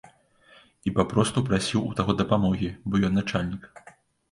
І папросту прасіў у таго дапамогі, бо ён начальнік.